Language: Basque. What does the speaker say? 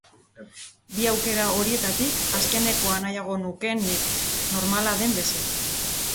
Bi aukera horietatik, azkenekoa nahiago nukeen nik, normala den bezala.